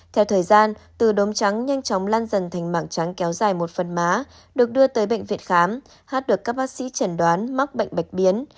theo thời gian từ đốm trắng nhanh chóng lan dần thành mảng trắng kéo dài một phần má được đưa tới bệnh viện khám hát được các bác sĩ chẩn đoán mắc bệnh bạch biến